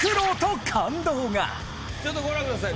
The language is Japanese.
ちょっとご覧ください。